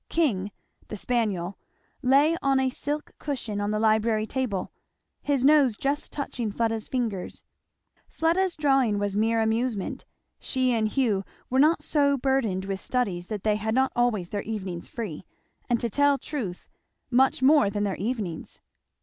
King, the spaniel, lay on a silk cushion on the library table, his nose just touching Fleda's fingers. Fleda's drawing was mere amusement; she and Hugh were not so burthened with studies that they had not always their evenings free, and to tell truth, much more than their evenings.